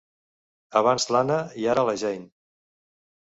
Abans l'Anna i ara la Jane.